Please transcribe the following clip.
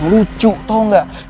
lucu tau gak